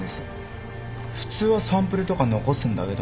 普通はサンプルとか残すんだけどな。